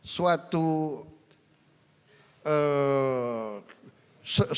suatu segelintir orang